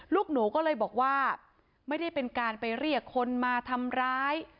ลูกหนูก็เลยบอกว่าไม่ได้เป็นการไปเรียกคนมาทำร้าย